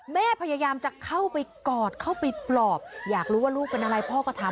แม่พยายามจะเข้าไปกอดเข้าไปปลอบอยากรู้ว่าลูกเป็นอะไรพ่อก็ถาม